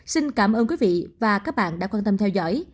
xin cảm ơn quý vị và các bạn đã quan tâm theo dõi